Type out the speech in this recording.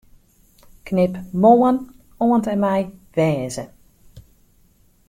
Knip 'Moarn' oant en mei 'wêze'.